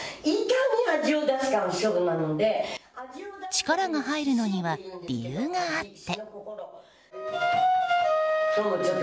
力が入るのには理由があって。